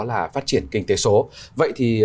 là phát triển kinh tế số vậy thì